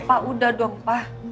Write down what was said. pak udah dong pak